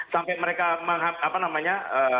sampai mereka apa namanya